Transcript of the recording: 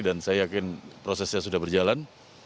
dan saya yakin prosesnya sudah berjalan